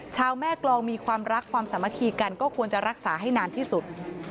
ชาวแม่กรองมีความรักความสามัคคีกันก็ควรจะรักษาให้นานที่สุด